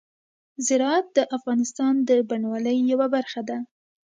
زراعت د افغانستان د بڼوالۍ یوه برخه ده.